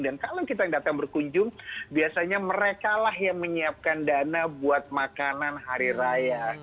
dan kalau kita datang berkunjung biasanya mereka lah yang menyiapkan dana buat makanan hari raya